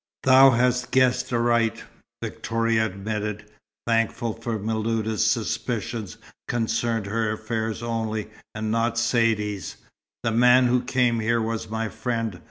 "Thou hast guessed aright," Victoria admitted, thankful that Miluda's suspicions concerned her affairs only, and not Saidee's. "The man who came here was my friend.